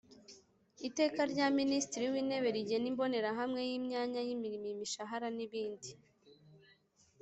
iteka rya minisitiri w intebe rigena imbonerahamwe y imyanya y imirimo imishahara n ibindi